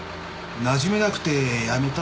なじめなくて辞めた？